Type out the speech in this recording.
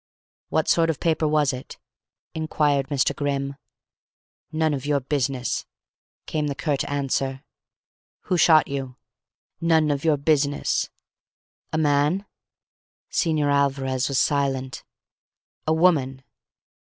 "What sort of paper was it?" inquired Mr. Grimm. "None of your business," came the curt answer. "Who shot you?" "None of your business." "A man?" Señor Alvarez was silent. "A woman?"